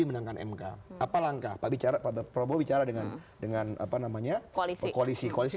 menangkan mk apa langkah pak bicara pak prabowo bicara dengan dengan apa namanya koalisi koalisi